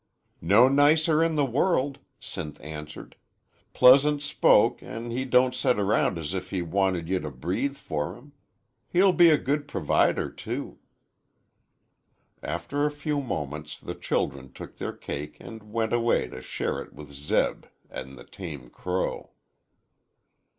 "No nicer in the world," Sinth answered. "Pleasant spoke, an' he don't set around as if he wanted ye t' breathe fer him. He'll be a good provider, too." After a few moments the children took their cake and went away to share it with Zeb and the tame crow.